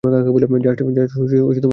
Just তোমার সাথে মজা নিলাম।